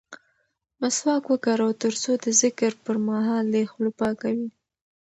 مسواک وکاروه ترڅو د ذکر پر مهال دې خوله پاکه وي.